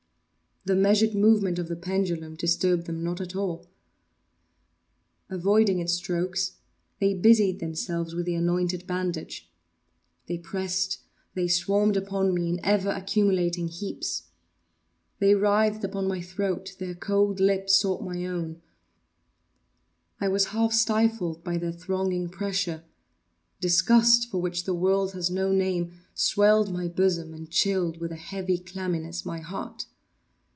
The measured movement of the pendulum disturbed them not at all. Avoiding its strokes they busied themselves with the anointed bandage. They pressed—they swarmed upon me in ever accumulating heaps. They writhed upon my throat; their cold lips sought my own; I was half stifled by their thronging pressure; disgust, for which the world has no name, swelled my bosom, and chilled, with a heavy clamminess, my heart.